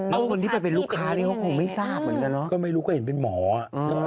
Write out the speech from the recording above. แล้วคนที่ไปเป็นลูกค้านี่เขาคงไม่ทราบเหมือนกันเนอะก็ไม่รู้ก็เห็นเป็นหมออ่ะ